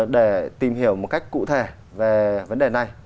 để tìm hiểu một cách cụ thể về vấn đề này